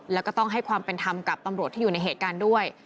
แล้วก็ต้องให้ความเป็นธรรมกับตำรวจที่อยู่ในเหตุการณ์ด้วย